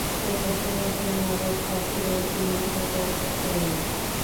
দেখাশোনার জন্য আবার সাথে রয়েছেন বিভিন্ন কর্মচারীও!